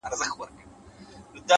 هوښیار انسان وخت ته لومړیتوب ورکوي’